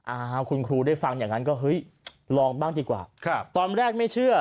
อ้าวคุณครูได้ฟังอย่างนั้นก็เฮ้ยลองบ้างดีกว่าครับตอนแรกไม่เชื่อ